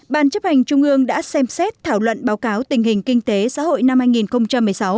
ban chấp hành trung ương đã xem xét thảo luận báo cáo tình hình kinh tế xã hội năm hai nghìn một mươi sáu